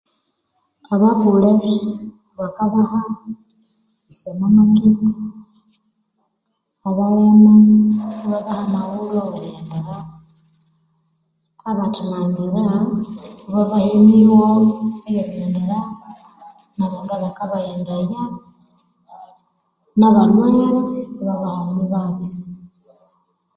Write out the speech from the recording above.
Abakule bakabaha esya mama kiti abalema ibabaha amaghulhu awerighenderako abathilangangira ibabaha emigho eyerighenderako nabandu abakabaghendaya nabalhwere ibabaha omubatsi.